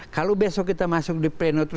kalau besok kita masuk di pleno terus